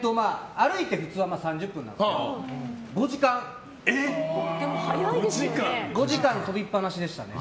歩いて普通は３０分ですけど５時間跳びっ放しでしたね。